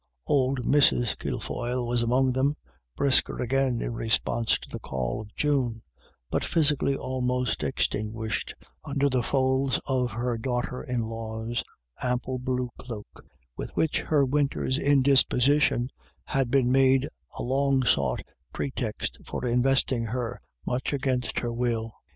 Old Mrs. Kilfoyle was among them, brisker agbin in response to the call of June, but physically almost extinguished under the folds of her daughter in law's ample blue cloak, with which her winter's indisposition had been made a long sought pretext for investing her, much against her will.